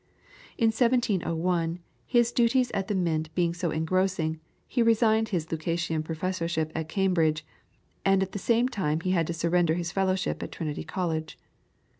In 1701, his duties at the Mint being so engrossing, he resigned his Lucasian professorship at Cambridge, and at the same time he had to surrender his fellowship at Trinity College.